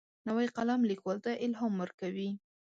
نوی قلم لیکوال ته الهام ورکوي